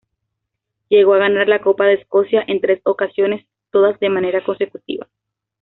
Llegó a ganar la Copa de Escocia en tres ocasiones, todas de manera consecutiva.